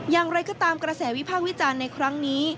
อย่างไรก็ตามกระแสวิพากษ์วิจารณ์ในครั้งนี้